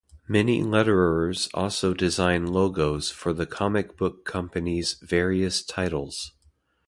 Many letterers also design logos for the comic book company's various titles.